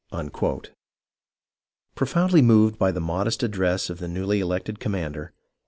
Profoundly moved by the modest address of the newly elected commander.